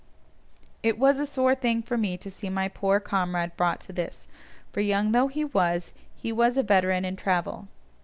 It was a sore thing for me to see my poor comrade brought to this, for young though he was, he was a veteran in travel.